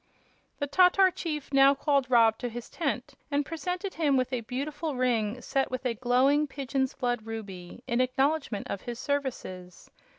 The Tatar chief now called Rob to his tent and presented him with a beautiful ring set with a glowing pigeon's blood ruby, in acknowledgment of his services.